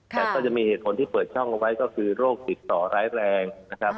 แต่ก็จะมีเหตุผลที่เปิดช่องเอาไว้ก็คือโรคติดต่อร้ายแรงนะครับ